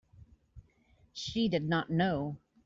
She did not know.